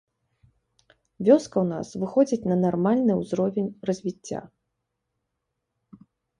Вёска ў нас выходзіць на нармальны ўзровень развіцця.